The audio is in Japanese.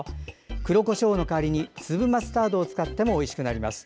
黒こしょうの代わりに粒マスタードを使ってもおいしいですよ。